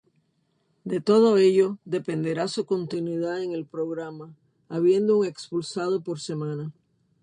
De todo ello dependerá su continuidad en el programa, habiendo un expulsado por semana.